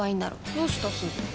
どうしたすず？